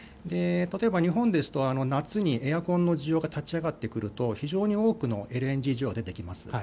例えば、日本ですと夏にエアコンの需要が立ち上がってくると非常に多くのＬＮＧ需要が出てきます。